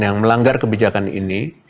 yang melanggar kebijakan ini